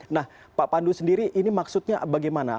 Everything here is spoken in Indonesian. nah pak pandu sendiri ini maksudnya bagaimana